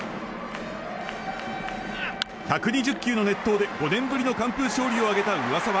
１２０級の熱投で５年ぶりの完封勝利を挙げた上沢。